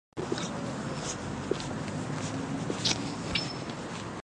چې کله به مې راولوشله شیدې به یې یخې وې